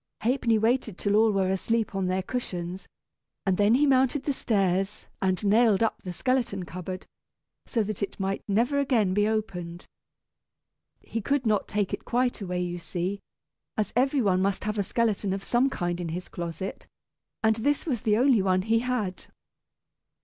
Ha'penny waited till all were asleep on their cushions, and then he mounted the stairs and nailed up the skeleton cupboard, so that it might never again be opened. He could not take it quite away, you see, as every one must have a skeleton of some kind in his closet, and this was the only one he had.